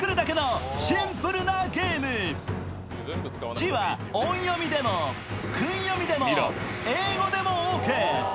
字は音読みでも訓読みでも英語でもオーケー。